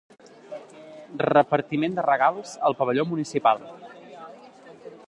Repartiment de regals al pavelló municipal.